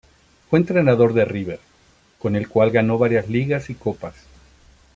Fue entrenador de River, con el cual ganó varias ligas y copas.